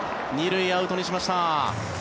２塁、アウトにしました。